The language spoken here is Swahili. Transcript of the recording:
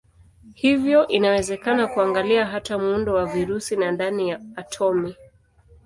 Hivyo inawezekana kuangalia hata muundo wa virusi na ndani ya atomi.